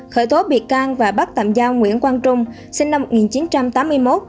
khởi tố bị can và bắt tạm giam nguyễn quang trung sinh năm một nghìn chín trăm tám mươi một